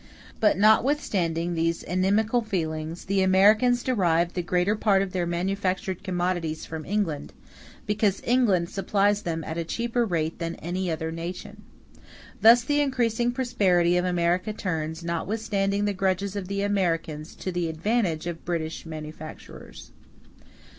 But notwithstanding these inimical feelings, the Americans derive the greater part of their manufactured commodities from England, because England supplies them at a cheaper rate than any other nation. Thus the increasing prosperity of America turns, notwithstanding the grudges of the Americans, to the advantage of British manufactures.